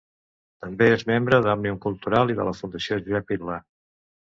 També és membre d'Òmnium Cultural i de la Fundació Josep Irla.